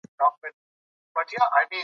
هغه په یخچال کې لږ شات او کوچ ایښي وو.